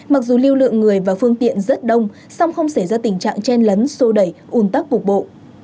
mặc dù lưu lượng người và phương tiện rất đông song không xảy ra tình trạng chen lấn sô đẩy ùn tắc cục bộ